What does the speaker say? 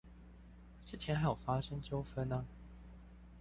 之前還有發生糾紛啊！